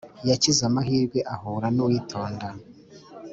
Yakize amahirwe ahura nuwitonda